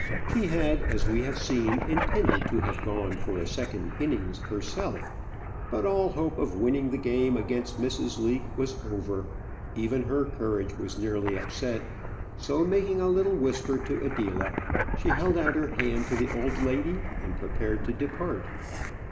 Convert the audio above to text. She had, as we have seen, intended to have gone in for a second innings herself, but all hope of winning the game against Mrs. Leake was over; even her courage was nearly upset; so making a little whisper to Adela, she held out her hand to the old lady, and prepared to depart.